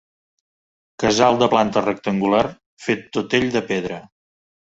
Casal de planta rectangular fet tot ell de pedra.